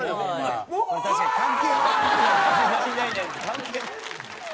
関係ない。